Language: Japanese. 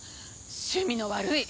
趣味の悪い！